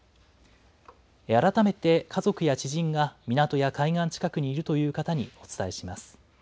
改めて家族や知人が港や海岸近くにいるという方にお伝えします。